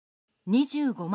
２５万